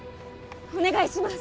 お願いします！